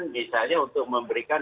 kewenangan misalnya untuk memberikan